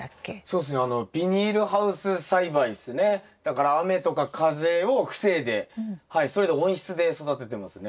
だから雨とか風を防いでそれで温室で育ててますね。